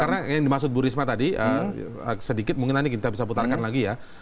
karena yang dimaksud bu risma tadi sedikit mungkin nanti kita bisa putarkan lagi ya